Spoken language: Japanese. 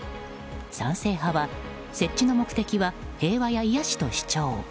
賛成派は、設置の目的は平和や癒やしと主張。